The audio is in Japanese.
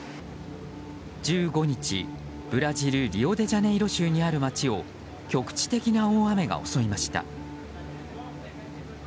１５日、ブラジルリオデジャネイロ州にある街を局地的な大雨が襲いました。